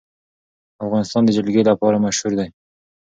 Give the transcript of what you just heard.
افغانستان د جلګه لپاره مشهور دی.